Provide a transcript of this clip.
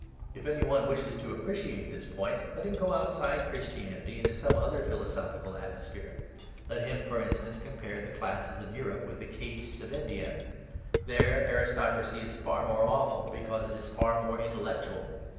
If any one wishes to appreciate this point, let him go outside Christianity into some other philosophical atmosphere. Let him, for instance, compare the classes of Europe with the castes of India. There aristocracy is far more awful, because it is far more intellectual.